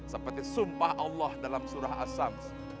seperti sumpah allah dalam surah as samz